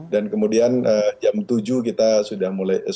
dan kemudian jam tujuh kita sudah mulai